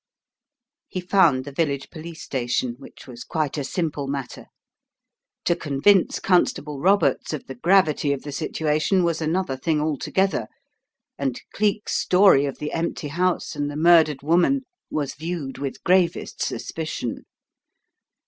He found the village police station, which was quite a simple matter. To convince Constable Roberts of the gravity of the situation was another thing altogether, and Cleek's story of the empty house and the murdered woman was viewed with gravest suspicion.